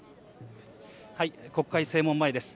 国会正門前です。